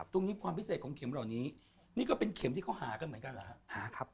ความพิเศษของเข็มเหล่านี้นี่ก็เป็นเข็มที่เขาหากันเหมือนกันเหรอฮะ